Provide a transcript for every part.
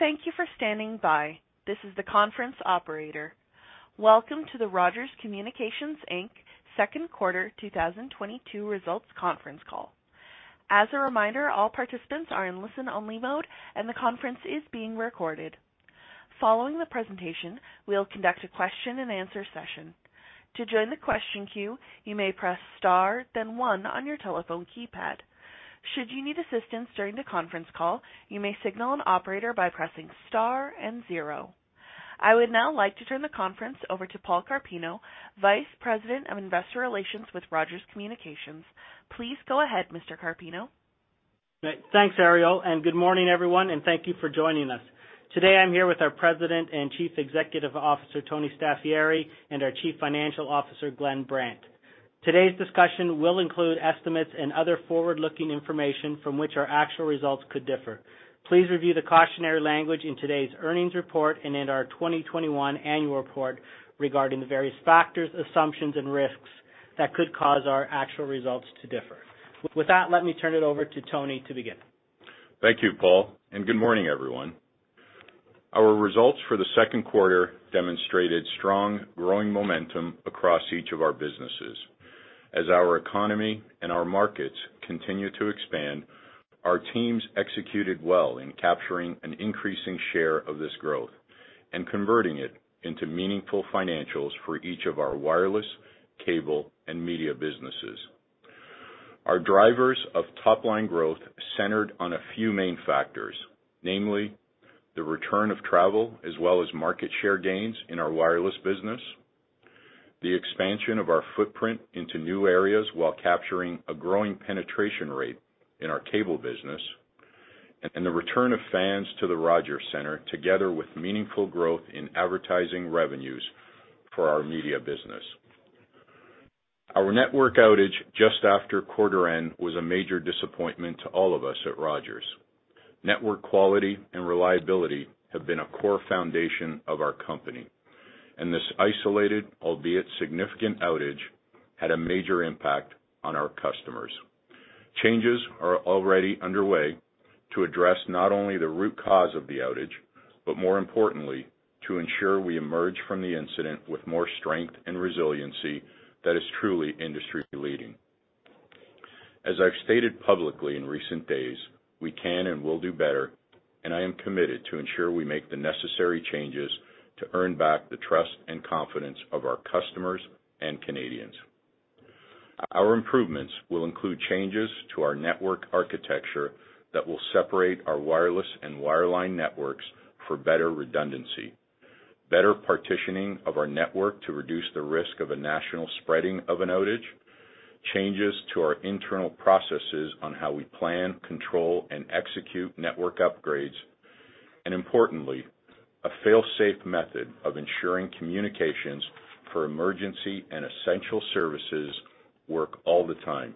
Thank you for standing by. This is the conference operator. Welcome to the Rogers Communications Inc. Q2 2022 results conference call. As a reminder, all participants are in listen-only mode, and the conference is being recorded. Following the presentation, we'll conduct a question-and-answer session. To join the question queue, you may press star then one on your telephone keypad. Should you need assistance during the conference call, you may signal an operator by pressing star and zero. I would now like to turn the conference over to Paul Carpino, Vice President of Investor Relations with Rogers Communications. Please go ahead, Mr. Carpino. Thanks, Ariel, and good morning, everyone, and thank you for joining us. Today I'm here with our President and Chief Executive Officer, Tony Staffieri, and our Chief Financial Officer, Glenn Brandt. Today's discussion will include estimates and other forward-looking information from which our actual results could differ. Please review the cautionary language in today's earnings report and in our 2021 annual report regarding the various factors, assumptions, and risks that could cause our actual results to differ. With that, let me turn it over to Tony to begin. Thank you, Paul, and good morning, everyone. Our results for the Q2 demonstrated strong growing momentum across each of our businesses. As our economy and our markets continue to expand, our teams executed well in capturing an increasing share of this growth and converting it into meaningful financials for each of our wireless, cable and media businesses. Our drivers of top-line growth centered on a few main factors, namely the return of travel, as well as market share gains in our wireless business, the expansion of our footprint into new areas while capturing a growing penetration rate in our cable business, and the return of fans to the Rogers Centre, together with meaningful growth in advertising revenues for our media business. Our network outage just after quarter end was a major disappointment to all of us at Rogers. Network quality and reliability have been a core foundation of our company, and this isolated, albeit significant outage, had a major impact on our customers. Changes are already underway to address not only the root cause of the outage, but more importantly, to ensure we emerge from the incident with more strength and resiliency that is truly industry leading. As I've stated publicly in recent days, we can and will do better, and I am committed to ensure we make the necessary changes to earn back the trust and confidence of our customers and Canadians. Our improvements will include changes to our network architecture that will separate our wireless and wireline networks for better redundancy, better partitioning of our network to reduce the risk of a national spreading of an outage, changes to our internal processes on how we plan, control, and execute network upgrades, and importantly, a fail-safe method of ensuring communications for emergency and essential services work all the time,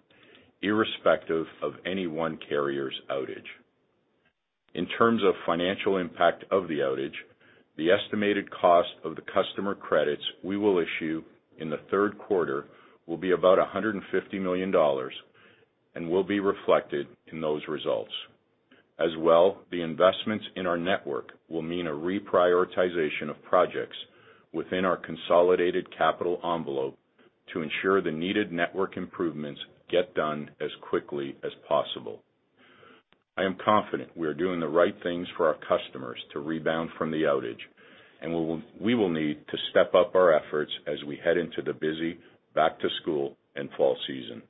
irrespective of any one carrier's outage. In terms of financial impact of the outage, the estimated cost of the customer credits we will issue in the Q3 will be about 150 million dollars and will be reflected in those results. As well, the investments in our network will mean a reprioritization of projects within our consolidated capital envelope to ensure the needed network improvements get done as quickly as possible. I am confident we are doing the right things for our customers to rebound from the outage, and we will need to step up our efforts as we head into the busy back to school and fall season.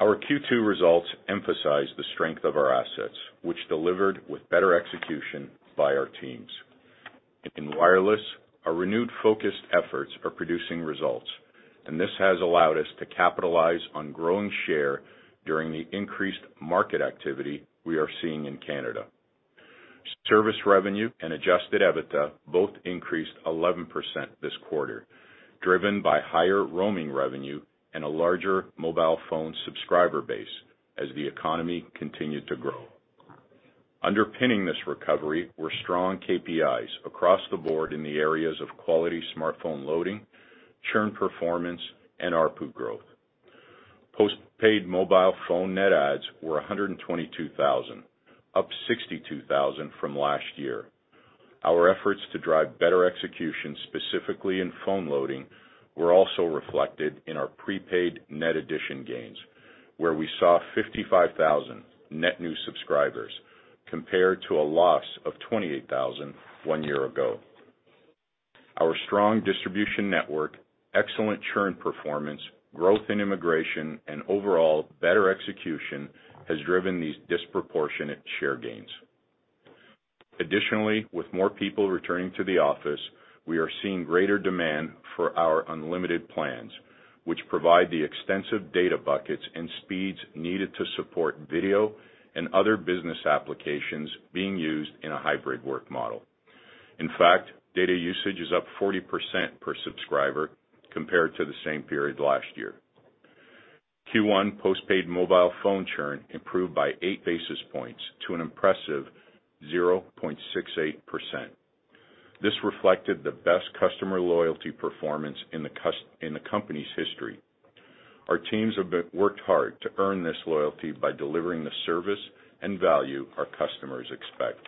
Our Q2 results emphasize the strength of our assets, which delivered with better execution by our teams. In wireless, our renewed, focused efforts are producing results, and this has allowed us to capitalize on growing share during the increased market activity we are seeing in Canada. Service revenue and adjusted EBITDA both increased 11% this quarter, driven by higher roaming revenue and a larger mobile phone subscriber base as the economy continued to grow. Underpinning this recovery were strong KPIs across the board in the areas of quality smartphone loading, churn performance, and ARPU growth. Postpaid mobile phone net adds were 122,000, up 62,000 from last year. Our efforts to drive better execution, specifically in phone loading, were also reflected in our prepaid net addition gains, where we saw 55,000 net new subscribers compared to a loss of 28,000 one year ago. Our strong distribution network, excellent churn performance, growth in immigration, and overall better execution has driven these disproportionate share gains. Additionally, with more people returning to the office, we are seeing greater demand for our unlimited plans, which provide the extensive data buckets and speeds needed to support video and other business applications being used in a hybrid work model. In fact, data usage is up 40% per subscriber compared to the same period last year. Q1 postpaid mobile phone churn improved by eight basis points to an impressive 0.68%. This reflected the best customer loyalty performance in the company's history. Our teams worked hard to earn this loyalty by delivering the service and value our customers expect.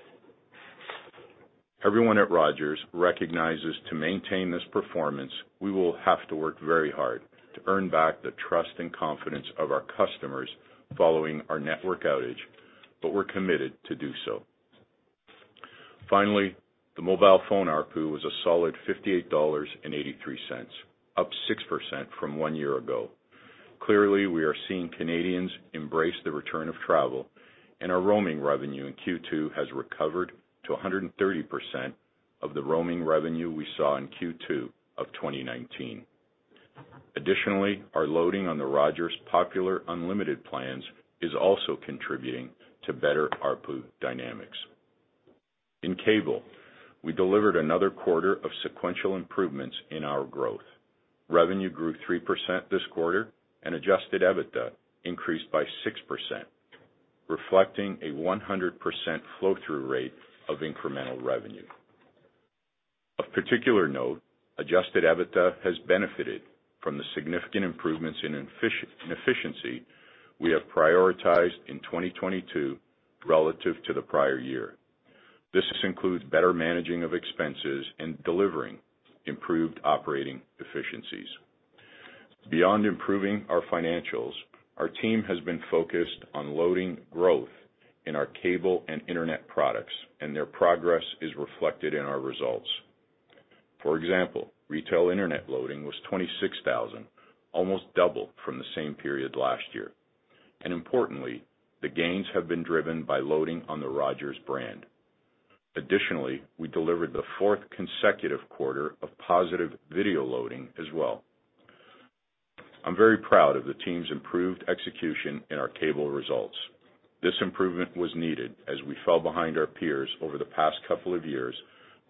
Everyone at Rogers recognizes to maintain this performance, we will have to work very hard to earn back the trust and confidence of our customers following our network outage, but we're committed to do so. Finally, the mobile phone ARPU was a solid 58.83 dollars, up 6% from one year ago. Clearly, we are seeing Canadians embrace the return of travel, and our roaming revenue in Q2 has recovered to 130% of the roaming revenue we saw in Q2 of 2019. Additionally, our loading on the Rogers popular unlimited plans is also contributing to better ARPU dynamics. In cable, we delivered another quarter of sequential improvements in our growth. Revenue grew 3% this quarter, and adjusted EBITDA increased by 6%, reflecting a 100% flow-through rate of incremental revenue. Of particular note, adjusted EBITDA has benefited from the significant improvements in efficiency we have prioritized in 2022 relative to the prior year. This includes better managing of expenses and delivering improved operating efficiencies. Beyond improving our financials, our team has been focused on loading growth in our cable and internet products, and their progress is reflected in our results. For example, retail internet loading was 26,000, almost double from the same period last year. Importantly, the gains have been driven by loading on the Rogers brand. Additionally, we delivered the fourth consecutive quarter of positive video loading as well. I'm very proud of the team's improved execution in our cable results. This improvement was needed as we fell behind our peers over the past couple of years,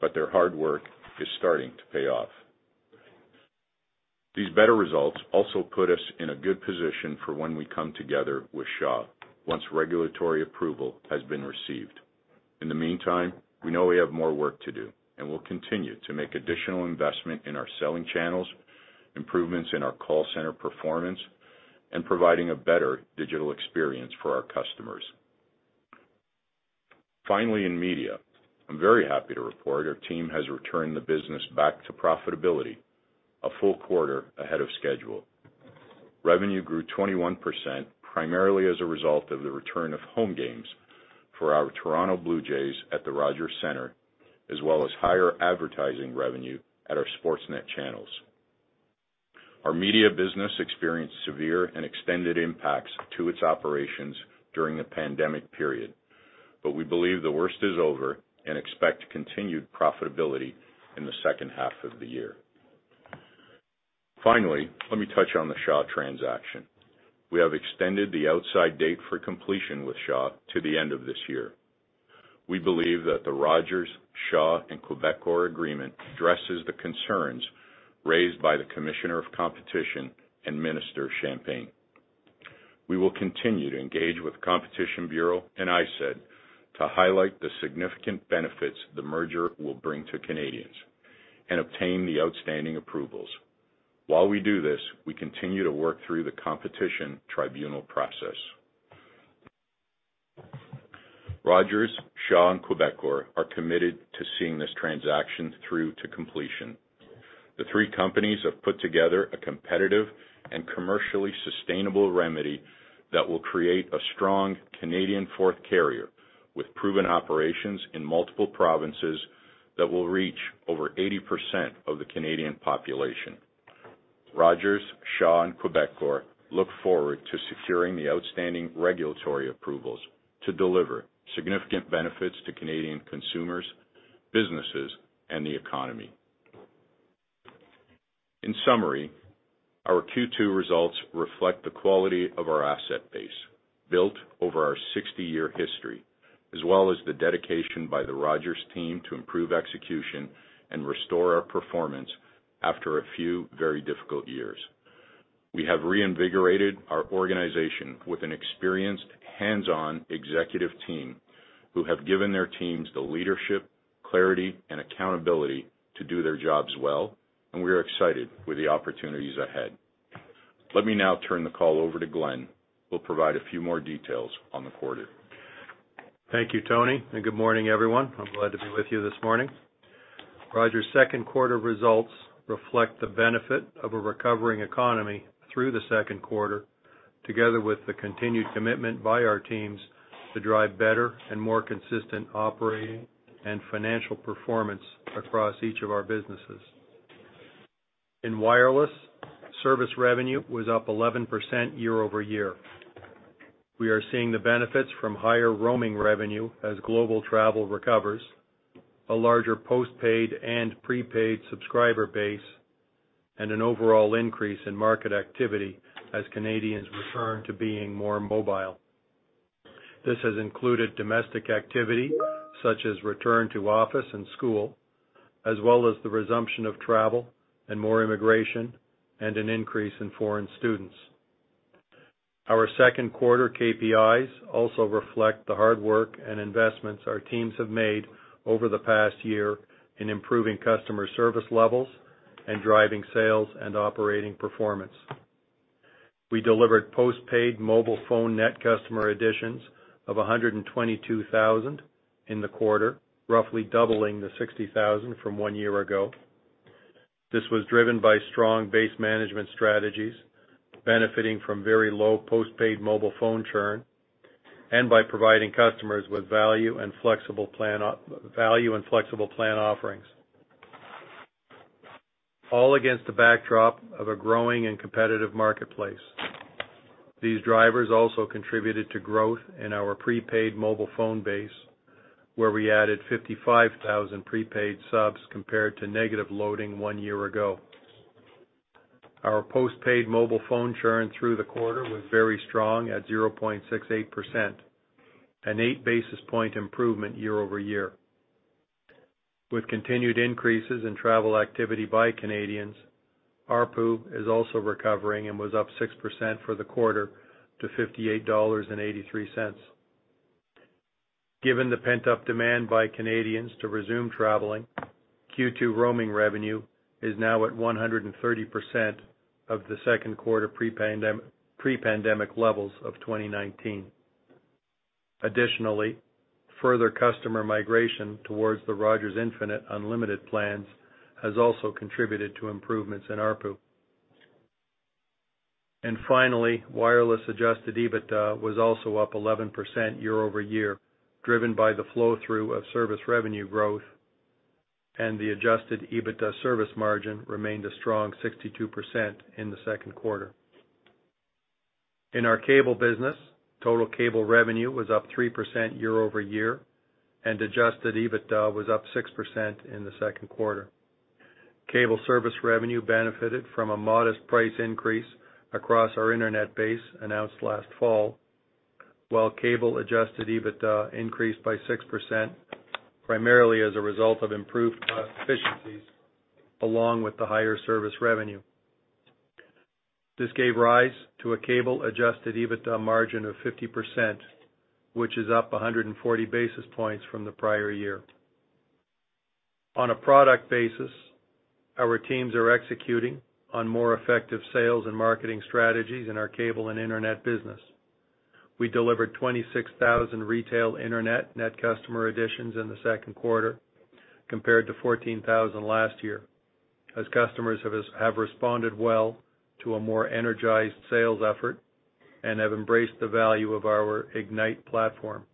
but their hard work is starting to pay off. These better results also put us in a good position for when we come together with Shaw once regulatory approval has been received. In the meantime, we know we have more work to do and will continue to make additional investment in our selling channels, improvements in our call center performance, and providing a better digital experience for our customers. Finally, in media, I'm very happy to report our team has returned the business back to profitability a full quarter ahead of schedule. Revenue grew 21%, primarily as a result of the return of home games for our Toronto Blue Jays at the Rogers Centre, as well as higher advertising revenue at our Sportsnet channels. Our media business experienced severe and extended impacts to its operations during the pandemic period, but we believe the worst is over and expect continued profitability in the second half of the year. Finally, let me touch on the Shaw transaction. We have extended the outside date for completion with Shaw to the end of this year. We believe that the Rogers, Shaw and Quebecor agreement addresses the concerns raised by the Commissioner of Competition and Minister Champagne. We will continue to engage with the Competition Bureau and ISED to highlight the significant benefits the merger will bring to Canadians and obtain the outstanding approvals. While we do this, we continue to work through the Competition Tribunal process. Rogers, Shaw, and Quebecor are committed to seeing this transaction through to completion. The three companies have put together a competitive and commercially sustainable remedy that will create a strong Canadian fourth carrier with proven operations in multiple provinces that will reach over 80% of the Canadian population. Rogers, Shaw, and Quebecor look forward to securing the outstanding regulatory approvals to deliver significant benefits to Canadian consumers, businesses, and the economy. In summary, our Q2 results reflect the quality of our asset base built over our 60-year history, as well as the dedication by the Rogers team to improve execution and restore our performance after a few very difficult years. We have reinvigorated our organization with an experienced hands-on executive team who have given their teams the leadership, clarity, and accountability to do their jobs well, and we are excited with the opportunities ahead. Let me now turn the call over to Glenn, who will provide a few more details on the quarter. Thank you, Tony, and good morning, everyone. I'm glad to be with you this morning. Rogers' Q2 results reflect the benefit of a recovering economy through the Q2, together with the continued commitment by our teams to drive better and more consistent operating and financial performance across each of our businesses. In wireless, service revenue was up 11% year-over-year. We are seeing the benefits from higher roaming revenue as global travel recovers, a larger post-paid and pre-paid subscriber base, and an overall increase in market activity as Canadians return to being more mobile. This has included domestic activity such as return to office and school, as well as the resumption of travel and more immigration and an increase in foreign students. Our Q2 KPIs also reflect the hard work and investments our teams have made over the past year in improving customer service levels and driving sales and operating performance. We delivered postpaid mobile phone net customer additions of 122,000 in the quarter, roughly doubling the 60,000 from one year ago. This was driven by strong base management strategies, benefiting from very low postpaid mobile phone churn, and by providing customers with value and flexible plan offerings, all against the backdrop of a growing and competitive marketplace. These drivers also contributed to growth in our prepaid mobile phone base, where we added 55,000 prepaid subs compared to negative loading one year ago. Our postpaid mobile phone churn through the quarter was very strong at 0.68%, an eight basis point improvement year-over-year. With continued increases in travel activity by Canadians, ARPU is also recovering and was up 6% for the quarter to 58.83 dollars. Given the pent-up demand by Canadians to resume traveling, Q2 roaming revenue is now at 130% of the Q2 pre-pandemic levels of 2019. Additionally, further customer migration towards the Rogers Infinite unlimited plans has also contributed to improvements in ARPU. Finally, wireless adjusted EBITDA was also up 11% year-over-year, driven by the flow-through of service revenue growth, and the adjusted EBITDA service margin remained a strong 62% in the Q2. In our cable business, total cable revenue was up 3% year-over-year, and adjusted EBITDA was up 6% in the Q2. Cable service revenue benefited from a modest price increase across our internet base announced last fall, while cable adjusted EBITDA increased by 6%, primarily as a result of improved cost efficiencies along with the higher service revenue. This gave rise to a cable adjusted EBITDA margin of 50%, which is up 140 basis points from the prior year. On a product basis, our teams are executing on more effective sales and marketing strategies in our cable and internet business. We delivered 26,000 retail internet net customer additions in the Q2 compared to 14,000 last year, as customers have responded well to a more energized sales effort and have embraced the value of our Ignite platform.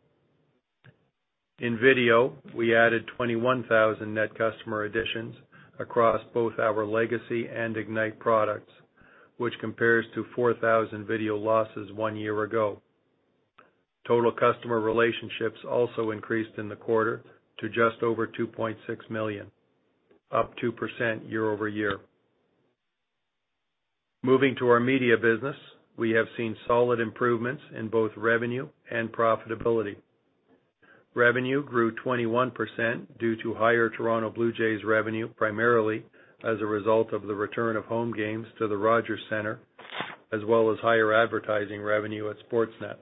In video, we added 21,000 net customer additions across both our legacy and Ignite products, which compares to 4,000 video losses one year ago. Total customer relationships also increased in the quarter to just over 2.6 million, up 2% year-over-year. Moving to our media business, we have seen solid improvements in both revenue and profitability. Revenue grew 21% due to higher Toronto Blue Jays revenue, primarily as a result of the return of home games to the Rogers Centre, as well as higher advertising revenue at Sportsnet.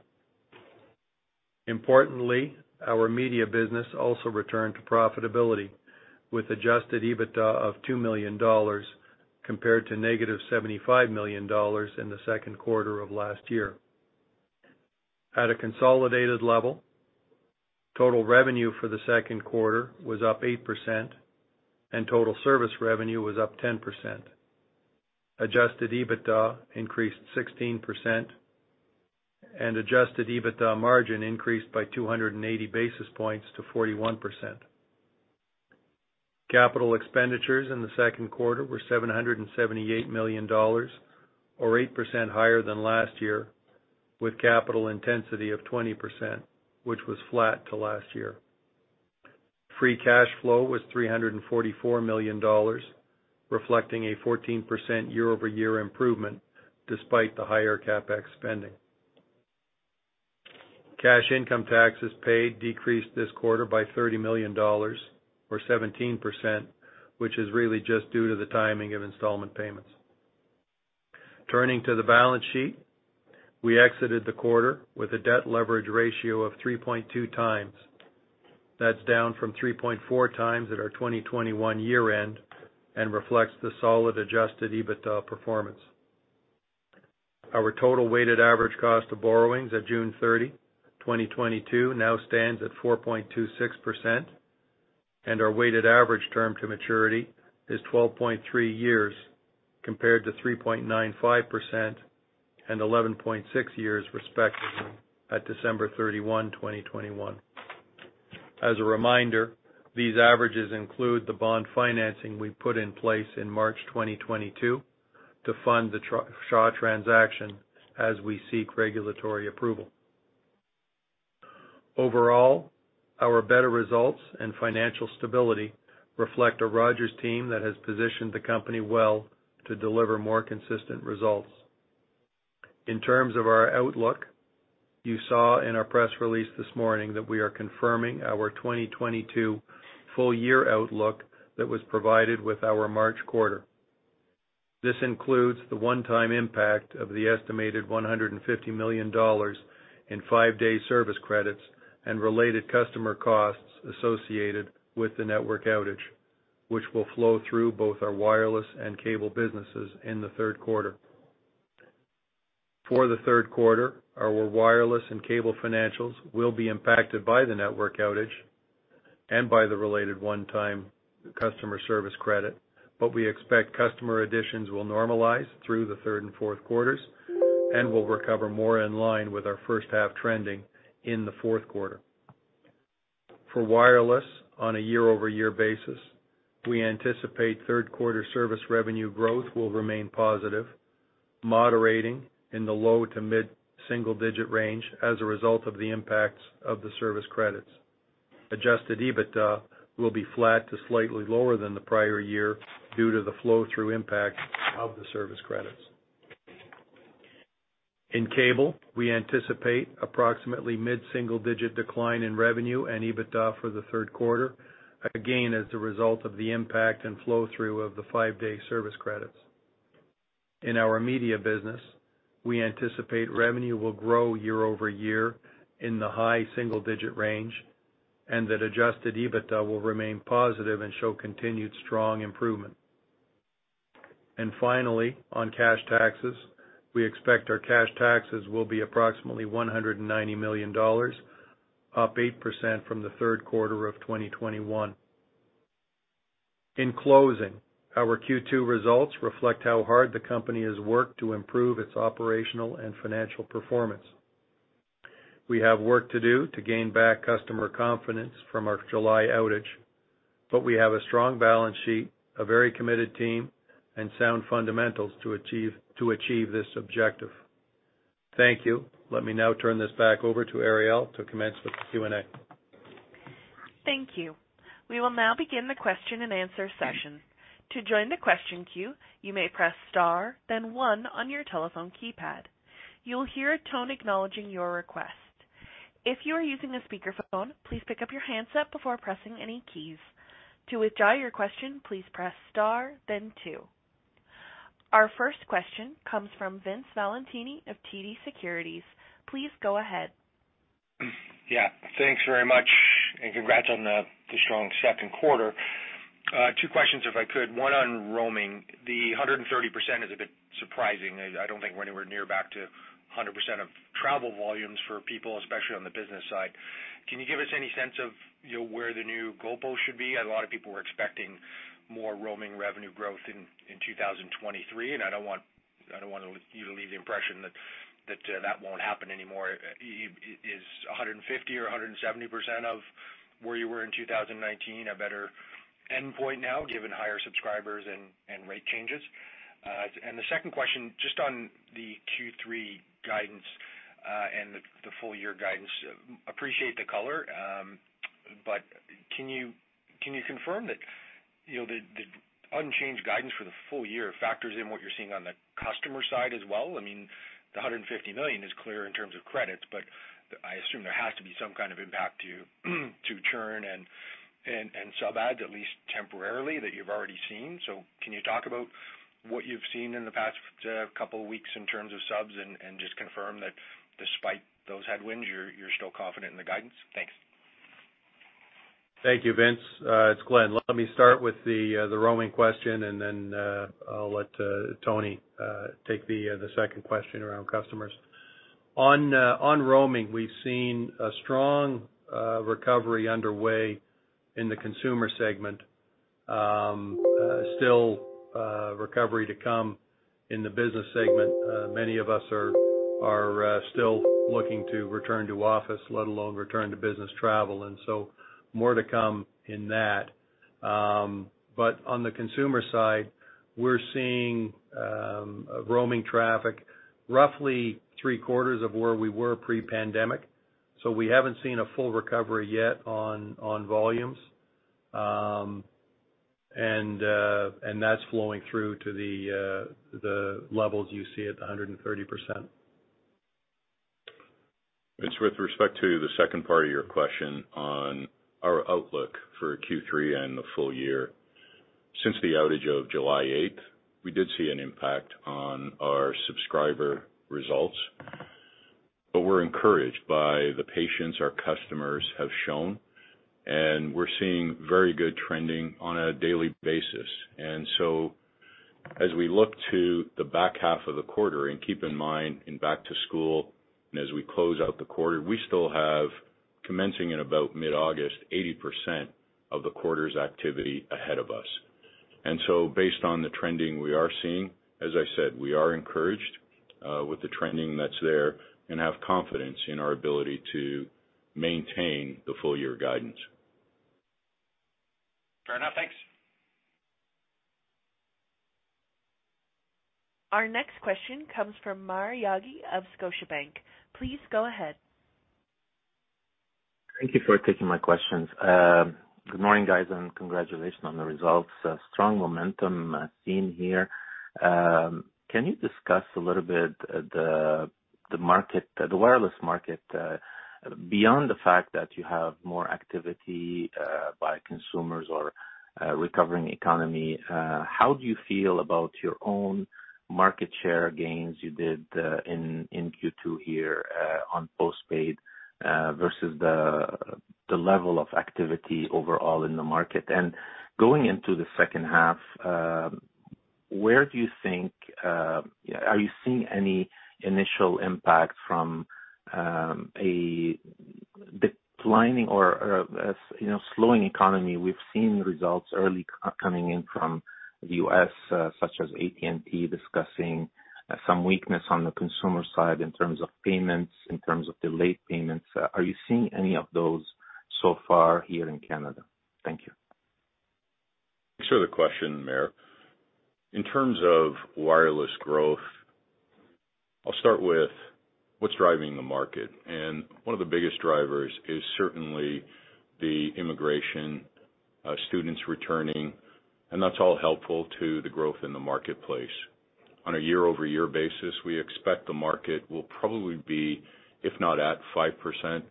Importantly, our media business also returned to profitability with adjusted EBITDA of 2 million dollars compared to -75 million dollars in the Q2 of last year. At a consolidated level, total revenue for the Q2 was up 8% and total service revenue was up 10%. Adjusted EBITDA increased 16% and adjusted EBITDA margin increased by 280 basis points to 41%. Capital expenditures in the Q2 were 778 million dollars or 8% higher than last year, with capital intensity of 20%, which was flat to last year. Free cash flow was 344 million dollars, reflecting a 14% year-over-year improvement despite the higher CapEx spending. Cash income taxes paid decreased this quarter by 30 million dollars or 17%, which is really just due to the timing of installment payments. Turning to the balance sheet, we exited the quarter with a debt leverage ratio of 3.2 times. That's down from 3.4 times at our 2021 year end and reflects the solid adjusted EBITDA performance. Our total weighted average cost of borrowings at June 30, 2022 now stands at 4.26%, and our weighted average term to maturity is 12.3 years compared to 3.95% and 11.6 years, respectively, at 31 December 2021. As a reminder, these averages include the bond financing we put in place in March 2022 to fund the Rogers-Shaw transaction as we seek regulatory approval. Overall, our better results and financial stability reflect a Rogers team that has positioned the company well to deliver more consistent results. In terms of our outlook, you saw in our press release this morning that we are confirming our 2022 full year outlook that was provided with our March quarter. This includes the one-time impact of the estimated 150 million dollars in five-day service credits and related customer costs associated with the network outage, which will flow through both our wireless and cable businesses in the Q3. For the Q3, our wireless and cable financials will be impacted by the network outage and by the related one-time customer service credit, but we expect customer additions will normalize through the Q3 and Q4 and will recover more in line with our first-half trending in the Q4. For wireless on a year-over-year basis, we anticipate Q3 service revenue growth will remain positive, moderating in the low- to mid-single-digit range as a result of the impacts of the service credits. Adjusted EBITDA will be flat to slightly lower than the prior year due to the flow-through impact of the service credits. In cable, we anticipate approximately mid-single-digit decline in revenue and EBITDA for the Q3, again, as a result of the impact and flow through of the five-day service credits. In our media business, we anticipate revenue will grow year-over-year in the high single-digit range, and that adjusted EBITDA will remain positive and show continued strong improvement. Finally, on cash taxes, we expect our cash taxes will be approximately 190 million dollars, up 8% from the Q3 of 2021. In closing, our Q2 results reflect how hard the company has worked to improve its operational and financial performance. We have work to do to gain back customer confidence from our July outage, but we have a strong balance sheet, a very committed team, and sound fundamentals to achieve this objective. Thank you. Let me now turn this back over to Ariel to commence with the Q&A. Thank you. We will now begin the question and answer session. To join the question queue, you may press star, then one on your telephone keypad. You'll hear a tone acknowledging your request. If you are using a speakerphone, please pick up your handset before pressing any keys. To withdraw your question, please press star then two. Our first question comes from Vince Valentini of TD Securities. Please go ahead. Yeah, thanks very much and congrats on the strong Q2. Two questions if I could. One on roaming. The 130% is a bit surprising. I don't think we're anywhere near back to 100% of travel volumes for people, especially on the business side. Can you give us any sense of, you know, where the new normal should be? A lot of people were expecting more roaming revenue growth in 2023, and I don't want you to leave the impression that that won't happen anymore. Is 150 or 170% of where you were in 2019 a better endpoint now given higher subscribers and rate changes? The second question, just on the Q3 guidance, and the full year guidance. Appreciate the color, but can you confirm that, you know, the unchanged guidance for the full year factors in what you're seeing on the customer side as well? I mean, the 150 million is clear in terms of credits, but I assume there has to be some kind of impact to churn and sub adds at least temporarily that you've already seen. Can you talk about what you've seen in the past couple weeks in terms of subs and just confirm that despite those headwinds, you're still confident in the guidance? Thanks. Thank you, Vince. It's Glenn. Let me start with the roaming question, and then I'll let Tony take the second question around customers. On roaming, we've seen a strong recovery underway in the consumer segment. Still, recovery to come in the business segment. Many of us are still looking to return to office, let alone return to business travel, and so more to come in that. But on the consumer side, we're seeing roaming traffic roughly three-quarters of where we were pre-pandemic. We haven't seen a full recovery yet on volumes. That's flowing through to the levels you see at the 130%. It's with respect to the second part of your question on our outlook for Q3 and the full year. Since the outage of 8 July, we did see an impact on our subscriber results, but we're encouraged by the patience our customers have shown, and we're seeing very good trending on a daily basis. We look to the back half of the quarter, and keep in mind in back to school and as we close out the quarter, we still have, commencing in about mid-August, 80% of the quarter's activity ahead of us. Based on the trending we are seeing, as I said, we are encouraged with the trending that's there and have confidence in our ability to maintain the full year guidance. Fair enough. Thanks. Our next question comes from Maher Yaghi of Scotiabank. Please go ahead. Thank you for taking my questions. Good morning, guys, and congratulations on the results. A strong momentum seen here. Can you discuss a little bit the wireless market beyond the fact that you have more activity by consumers or a recovering economy. How do you feel about your own market share gains you did in Q2 here on postpaid versus the level of activity overall in the market? Going into the second half, where do you think. Are you seeing any initial impact from a declining or you know slowing economy? We've seen results early coming in from the US such as AT&T discussing some weakness on the consumer side in terms of payments in terms of delayed payments. Are you seeing any of those so far here in Canada? Thank you. Thanks for the question, Maher. In terms of wireless growth, I'll start with what's driving the market. One of the biggest drivers is certainly the immigration of students returning, and that's all helpful to the growth in the marketplace. On a year-over-year basis, we expect the market will probably be, if not at 5%,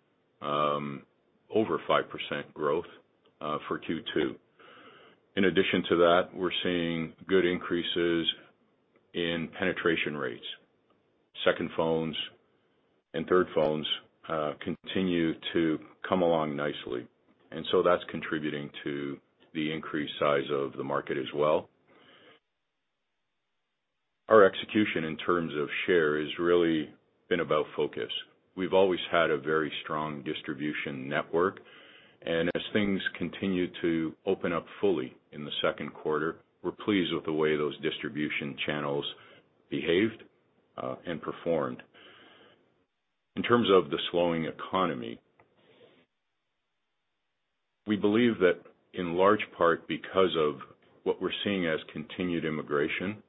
over 5% growth for Q2. In addition to that, we're seeing good increases in penetration rates. Second phones and third phones continue to come along nicely. That's contributing to the increased size of the market as well. Our execution in terms of share has really been about focus. We've always had a very strong distribution network, and as things continue to open up fully in the Q2, we're pleased with the way those distribution channels behaved and performed. In terms of the slowing economy, we believe that in large part because of what we're seeing as continued immigration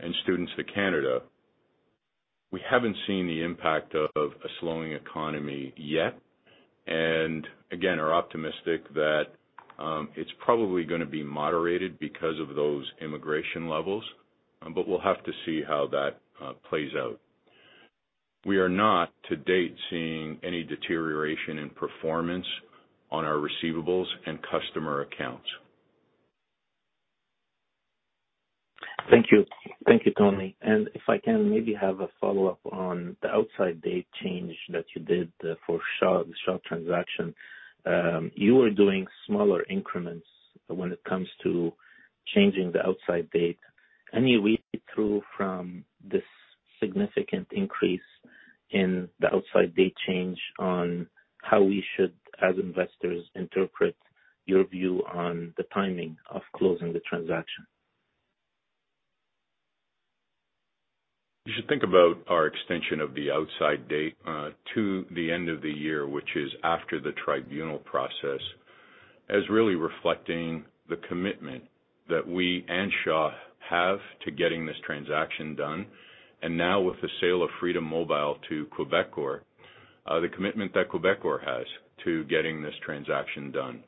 and students to Canada, we haven't seen the impact of a slowing economy yet, and again, are optimistic that it's probably gonna be moderated because of those immigration levels, but we'll have to see how that plays out. We are not to date seeing any deterioration in performance on our receivables and customer accounts. Thank you. Thank you, Tony. If I can maybe have a follow-up on the outside date change that you did for Shaw, the Shaw transaction. You were doing smaller increments when it comes to changing the outside date. Any read-through from this significant increase in the outside date change on how we should, as investors, interpret your view on the timing of closing the transaction? You should think about our extension of the outside date to the end of the year, which is after the tribunal process, as really reflecting the commitment that we and Shaw have to getting this transaction done. Now with the sale of Freedom Mobile to Quebecor, the commitment that Quebecor has to getting this transaction done.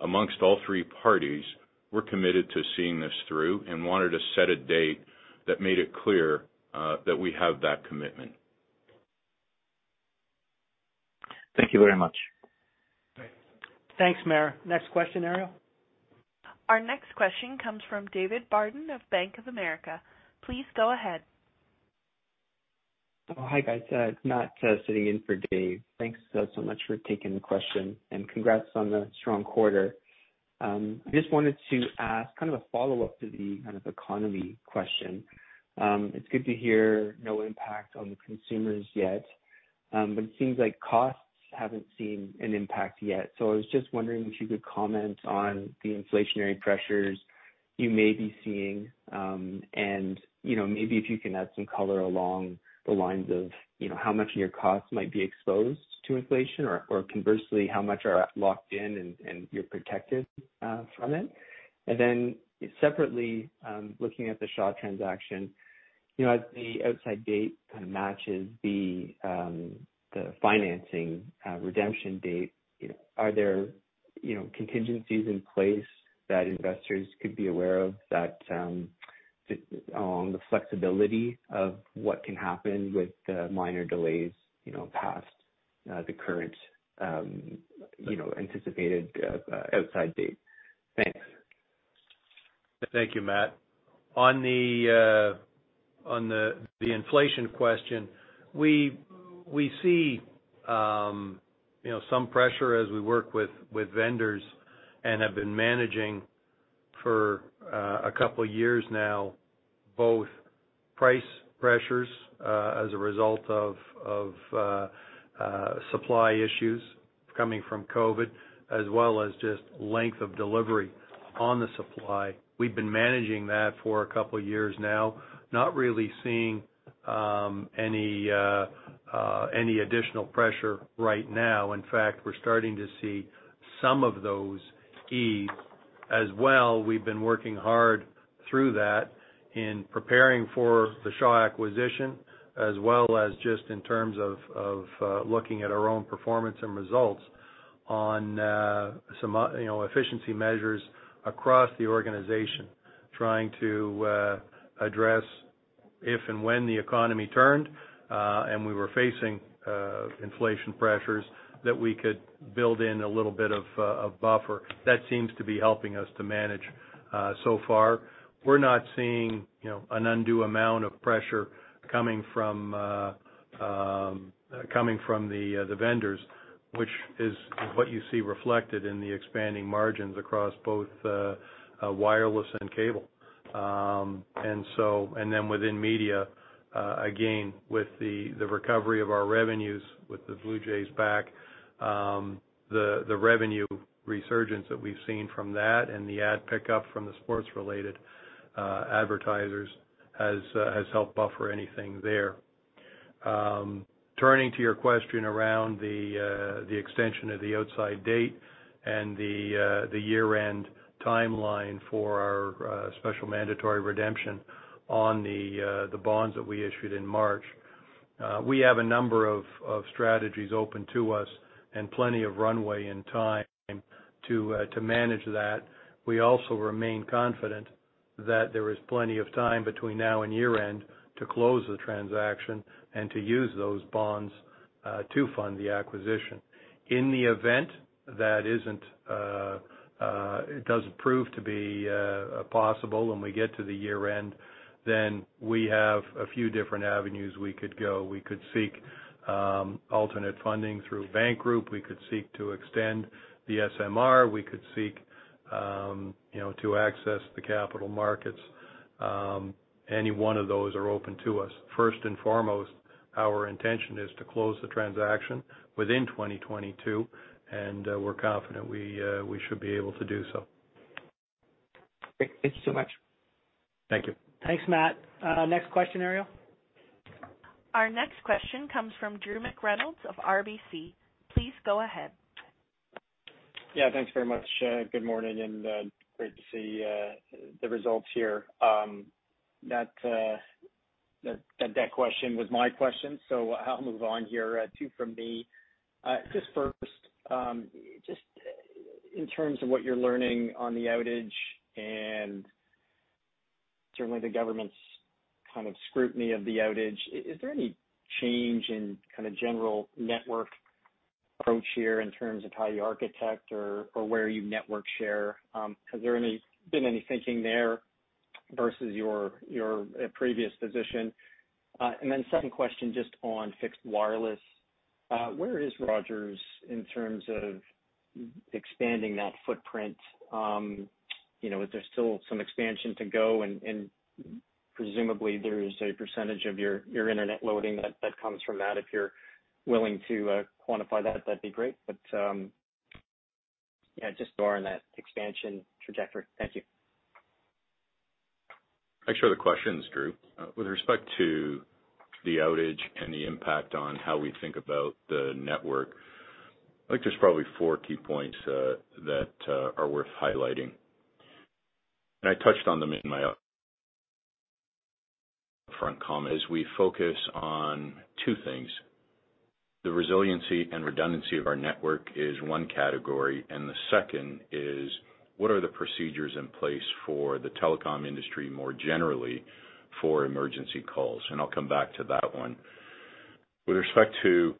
Among all three parties, we're committed to seeing this through and wanted to set a date that made it clear that we have that commitment. Thank you very much. Thanks. Thanks, Maher. Next question, Ariel. Our next question comes from David Barden of Bank of America. Please go ahead. Oh, hi, guys. Matt, sitting in for Dave. Thanks so much for taking the question, and congrats on the strong quarter. I just wanted to ask kind of a follow-up to the kind of economy question. It's good to hear no impact on the consumers yet, but it seems like costs haven't seen an impact yet. I was just wondering if you could comment on the inflationary pressures you may be seeing, and, you know, maybe if you can add some color along the lines of, you know, how much of your costs might be exposed to inflation or conversely, how much are locked in and you're protected from it. Then separately, looking at the Shaw transaction, you know, as the outside date kind of matches the financing, redemption date, you know, are there, you know, contingencies in place that investors could be aware of that, on the flexibility of what can happen with the minor delays, you know, past, the current, you know, anticipated, outside date? Thanks. Thank you, Matt. On the inflation question, we see, you know, some pressure as we work with vendors and have been managing for a couple of years now, both price pressures as a result of supply issues coming from COVID, as well as just length of delivery on the supply. We've been managing that for a couple of years now, not really seeing any additional pressure right now. In fact, we're starting to see some of those ease. As well, we've been working hard through that in preparing for the Shaw acquisition, as well as just in terms of looking at our own performance and results on some, you know, efficiency measures across the organization, trying to address if and when the economy turned and we were facing inflation pressures that we could build in a little bit of a buffer. That seems to be helping us to manage so far. We're not seeing, you know, an undue amount of pressure coming from the vendors, which is what you see reflected in the expanding margins across both wireless and cable. Within media, again, with the recovery of our revenues with the Blue Jays back, the revenue resurgence that we've seen from that and the ad pickup from the sports-related advertisers has helped buffer anything there. Turning to your question around the extension of the outside date and the year-end timeline for our special mandatory redemption on the bonds that we issued in March. We have a number of strategies open to us and plenty of runway and time to manage that. We also remain confident that there is plenty of time between now and year-end to close the transaction and to use those bonds to fund the acquisition. In the event that it doesn't prove to be possible when we get to the year-end, then we have a few different avenues we could go. We could seek alternate funding through bank group. We could seek to extend the SMR. We could seek, you know, to access the capital markets. Any one of those are open to us. First and foremost, our intention is to close the transaction within 2022, and we're confident we should be able to do so. Great. Thank you so much. Thank you. Thanks, Matt. Next question, Ariel. Our next question comes from Drew McReynolds of RBC. Please go ahead. Yeah, thanks very much. Good morning, and great to see the results here. That question was my question, so I'll move on here. Two from me. Just first, just in terms of what you're learning on the outage and certainly the government's kind of scrutiny of the outage, is there any change in kind of general network approach here in terms of how you architect or where you network share? Has there been any thinking there versus your previous position? And then second question, just on fixed wireless. Where is Rogers in terms of expanding that footprint? You know, is there still some expansion to go? And presumably there is a percentage of your internet loading that comes from that. If you're willing to quantify that'd be great. Yeah, just more on that expansion trajectory. Thank you. Thanks for the questions, Drew. With respect to the outage and the impact on how we think about the network, I think there's probably four key points that are worth highlighting. I touched on them in my up-front comment; is we focus on two things. The resiliency and redundancy of our network is one category, and the second is what are the procedures in place for the telecom industry, more generally, for emergency calls? I'll come back to that one. With respect to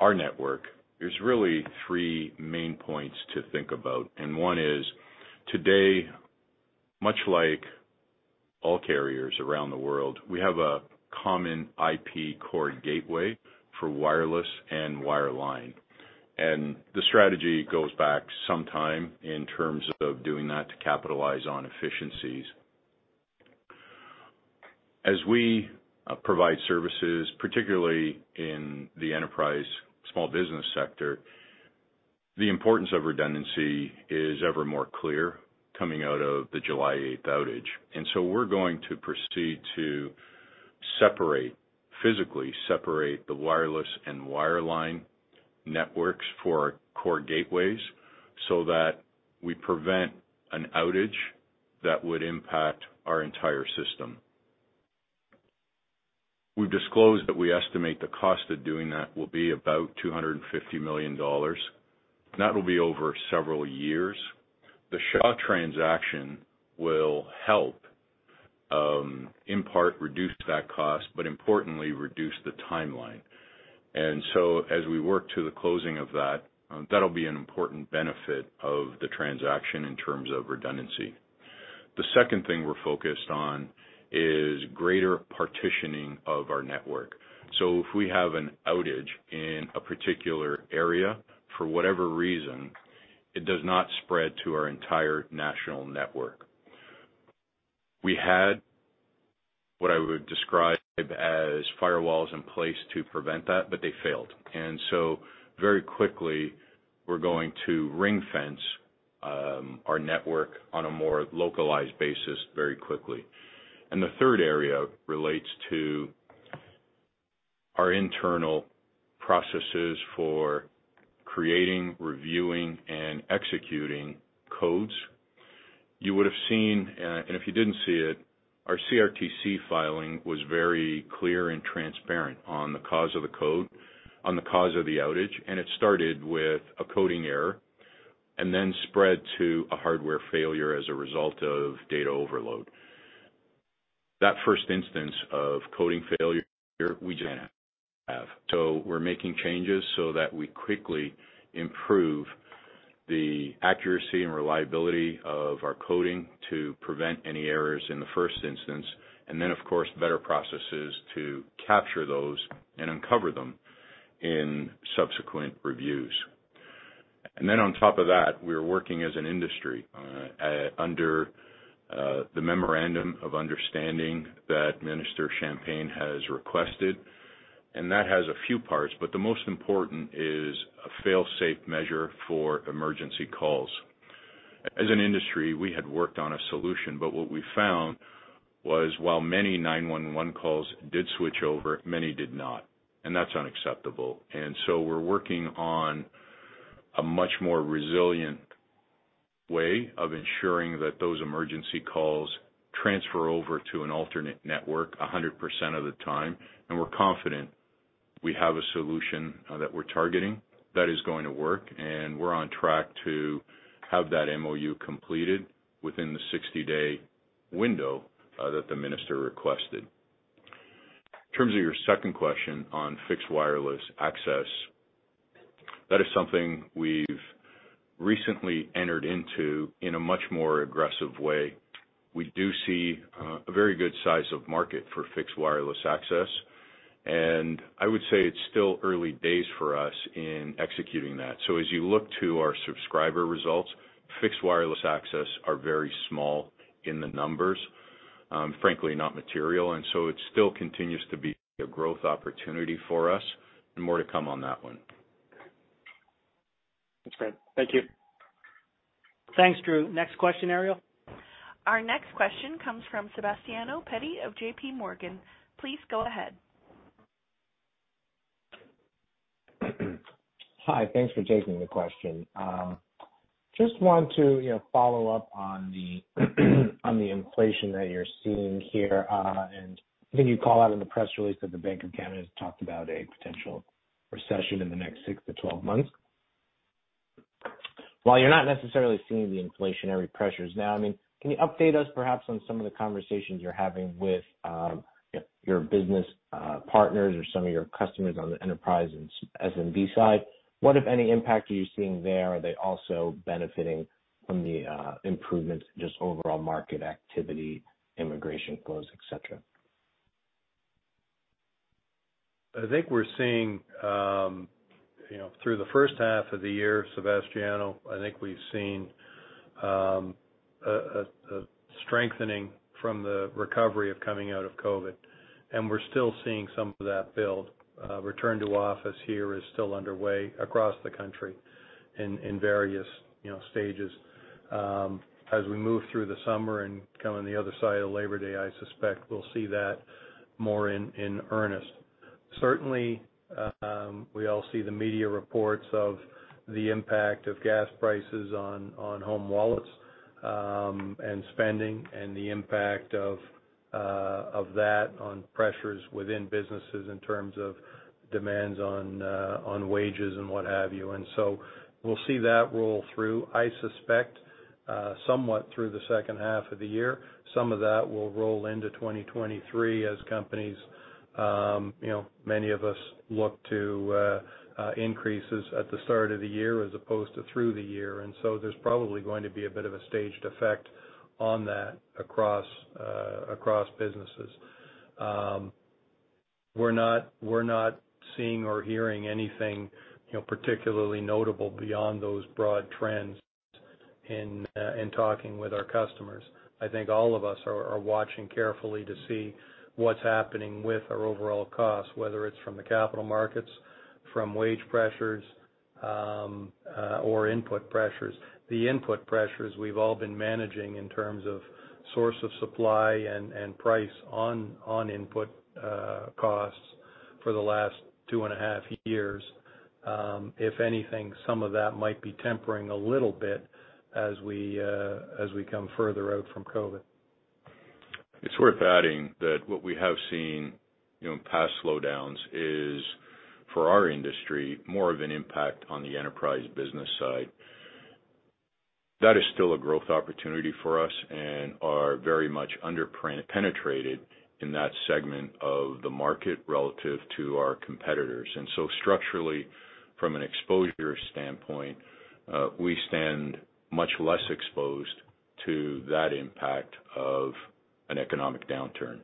our network, there's really three main points to think about, and one is today, much like all carriers around the world, we have a common IP core gateway for wireless and wireline. The strategy goes back some time in terms of doing that to capitalize on efficiencies. As we provide services, particularly in the enterprise small business sector, the importance of redundancy is ever more clear coming out of the 8 July outage. We're going to proceed to separate, physically separate the wireless and wireline networks for our core gateways so that we prevent an outage that would impact our entire system. We've disclosed that we estimate the cost of doing that will be about 250 million dollars. That will be over several years. The Shaw transaction will help in part reduce that cost, but importantly, reduce the timeline. As we work to the closing of that'll be an important benefit of the transaction in terms of redundancy. The second thing we're focused on is greater partitioning of our network. If we have an outage in a particular area, for whatever reason, it does not spread to our entire national network. We had what I would describe as firewalls in place to prevent that, but they failed. Very quickly, we're going to ring-fence our network on a more localized basis very quickly. The third area relates to our internal processes for creating, reviewing, and executing codes. You would have seen, and if you didn't see it, our CRTC filing was very clear and transparent on the cause of the code, on the cause of the outage, and it started with a coding error and then spread to a hardware failure as a result of data overload. That first instance of coding failure we just have. We're making changes so that we quickly improve the accuracy and reliability of our coding to prevent any errors in the first instance. Of course, better processes to capture those and uncover them in subsequent reviews. On top of that, we are working as an industry under the memorandum of understanding that Minister Champagne has requested, and that has a few parts, but the most important is a fail-safe measure for emergency calls. As an industry, we had worked on a solution, but what we found was while many 911 calls did switch over, many did not, and that's unacceptable. We're working on a much more resilient way of ensuring that those emergency calls transfer over to an alternate network 100% of the time, and we're confident we have a solution that we're targeting that is going to work, and we're on track to have that MOU completed within the 60-day window that the Minister requested. In terms of your second question on fixed wireless access, that is something we've recently entered into in a much more aggressive way. We do see a very good size of market for fixed wireless access, and I would say it's still early days for us in executing that. As you look to our subscriber results, fixed wireless access are very small in the numbers, frankly, not material. It still continues to be a growth opportunity for us and more to come on that one. That's great. Thank you. Thanks, Drew. Next question, Ariel. Our next question comes from Sebastiano Petti of J.P. Morgan. Please go ahead. Hi. Thanks for taking the question. Just want to, you know, follow up on the inflation that you're seeing here. I think you call out in the press release that the Bank of Canada has talked about a potential recession in the next six to 12 months. While you're not necessarily seeing the inflationary pressures now, I mean, can you update us perhaps on some of the conversations you're having with, you know, your business partners or some of your customers on the enterprise and SMB side? What, if any, impact are you seeing there? Are they also benefiting from the improvements, just overall market activity, immigration flows, et cetera? I think we're seeing, you know, through the first half of the year, Sebastiano, I think we've seen a strengthening from the recovery of coming out of COVID, and we're still seeing some of that build. Return to office here is still underway across the country in various, you know, stages. As we move through the summer and come on the other side of Labor Day, I suspect we'll see that more in earnest. Certainly, we all see the media reports of the impact of gas prices on home wallets, and spending and the impact of that on pressures within businesses in terms of demands on wages and what have you. We'll see that roll through, I suspect, somewhat through the second half of the year. Some of that will roll into 2023 as companies, you know, many of us look to increases at the start of the year as opposed to through the year. There's probably going to be a bit of a staged effect on that across businesses. We're not seeing or hearing anything, you know, particularly notable beyond those broad trends in talking with our customers. I think all of us are watching carefully to see what's happening with our overall costs, whether it's from the capital markets, from wage pressures, or input pressures. The input pressures we've all been managing in terms of source of supply and price on input costs for the last two and a half years. If anything, some of that might be tempering a little bit as we come further out from COVID. It's worth adding that what we have seen, you know, in past slowdowns is, for our industry, more of an impact on the enterprise business side. That is still a growth opportunity for us and we are very much under-penetrated in that segment of the market relative to our competitors. Structurally, from an exposure standpoint, we stand much less exposed to that impact of an economic downturn.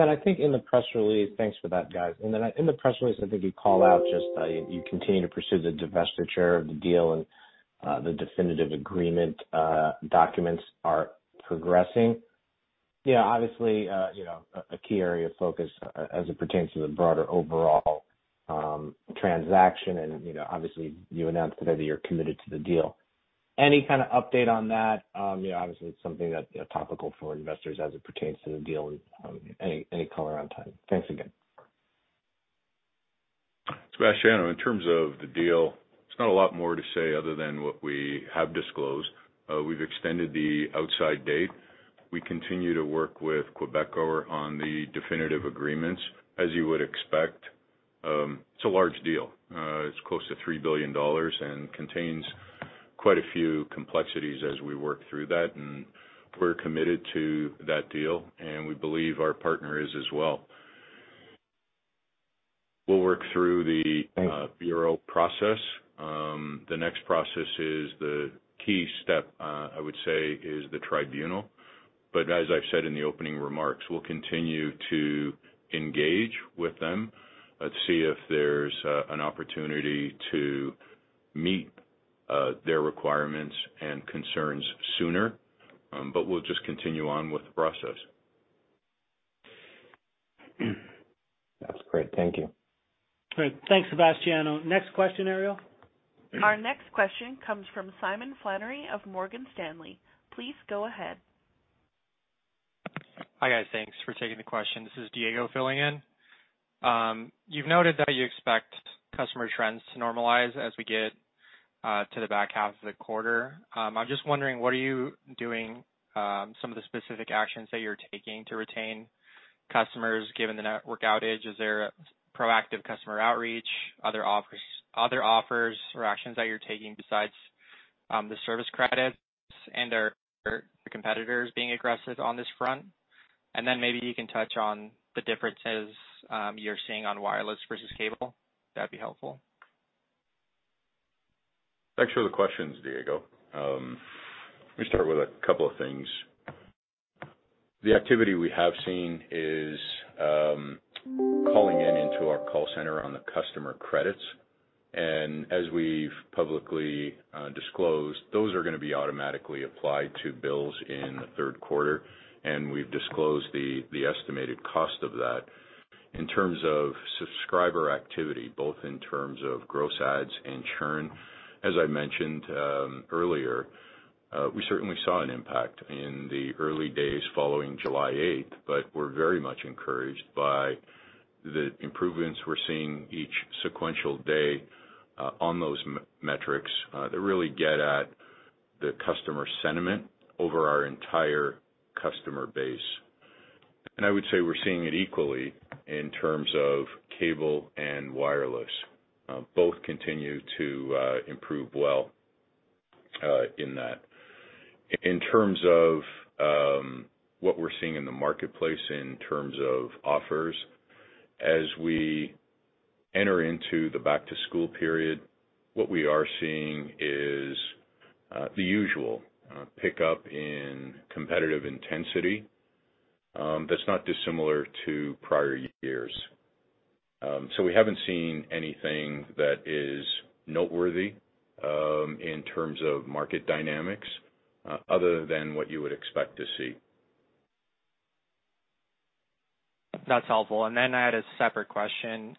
I think in the press release. Thanks for that, guys. In the press release, I think you call out just that you continue to pursue the divestiture of the deal and, the definitive agreement documents are progressing. Yeah, obviously, you know, a key area of focus as it pertains to the broader overall transaction. You know, obviously, you announced today that you're committed to the deal. Any kind of update on that? You know, obviously, it's something that, topical for investors as it pertains to the deal. Any color on timing? Thanks again. Sebastiano, in terms of the deal, there's not a lot more to say other than what we have disclosed. We've extended the outside date. We continue to work with Quebecor on the definitive agreements. As you would expect, it's a large deal. It's close to 3 billion dollars and contains quite a few complexities as we work through that, and we're committed to that deal, and we believe our partner is as well. We'll work through the Competition Bureau process. The next process is the key step, I would say, is the Competition Tribunal. As I've said in the opening remarks, we'll continue to engage with them. Let's see if there's an opportunity to meet their requirements and concerns sooner, but we'll just continue on with the process. That's great. Thank you. Great. Thanks, Sebastiano. Next question, Ariel. Our next question comes from Simon Flannery of Morgan Stanley. Please go ahead. Hi, guys. Thanks for taking the question. This is Diego filling in. You've noted that you expect customer trends to normalize as we get to the back half of the quarter. I'm just wondering, what are you doing some of the specific actions that you're taking to retain customers given the network outage? Is there a proactive customer outreach, other offers or actions that you're taking besides the service credits, and are your competitors being aggressive on this front? Maybe you can touch on the differences you're seeing on wireless versus cable. That'd be helpful. Thanks for the questions, Diego. Let me start with a couple of things. The activity we have seen is calling into our call center on the customer credits. As we've publicly disclosed, those are gonna be automatically applied to bills in the Q3, and we've disclosed the estimated cost of that. In terms of subscriber activity, both in terms of gross adds and churn, as I mentioned earlier, we certainly saw an impact in the early days following 8 July, but we're very much encouraged by the improvements we're seeing each sequential day on those metrics that really get at the customer sentiment over our entire customer base. I would say we're seeing it equally in terms of cable and wireless. Both continue to improve well in that. In terms of what we're seeing in the marketplace in terms of offers, as we enter into the back to school period, what we are seeing is the usual pickup in competitive intensity, that's not dissimilar to prior years. We haven't seen anything that is noteworthy in terms of market dynamics, other than what you would expect to see. That's helpful. I had a separate question.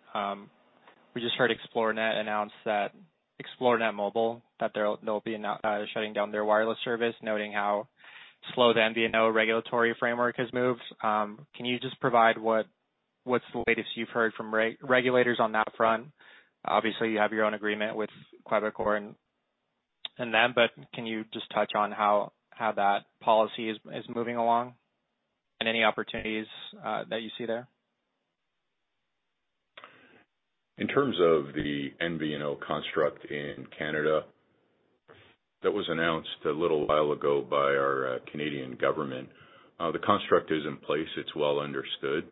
We just heard Xplore announce that Xplore Mobile, that they'll be shutting down their wireless service, noting how slow the MVNO regulatory framework has moved. Can you just provide what's the latest you've heard from regulators on that front? Obviously, you have your own agreement with Quebecor and them, can you just touch on how that policy is moving along and any opportunities that you see there? In terms of the MVNO construct in Canada, that was announced a little while ago by our Canadian government. The construct is in place. It's well understood.